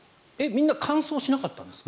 みんな完走しなかったんですか？